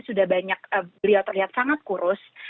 sudah banyak beliau terlihat sangat kurus